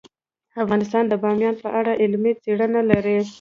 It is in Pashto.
افغانستان د بامیان په اړه علمي څېړنې لري.